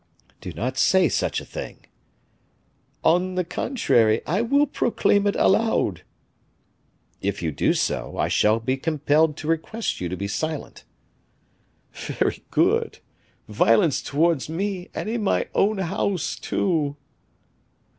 "Do not say such a thing." "On the contrary, I will proclaim it aloud." "If you do so, I shall be compelled to request you to be silent." "Very good! Violence towards me, and in my own house, too."